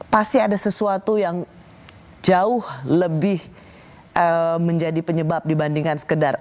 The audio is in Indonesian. pasti ada sesuatu yang jauh lebih menjadi penyebab dibandingkan sekedar